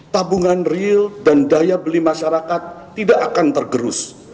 tabungan real dan daya beli masyarakat tidak akan tergerus